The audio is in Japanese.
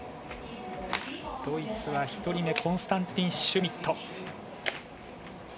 ドイツは１人目コンスタンティン・シュミット。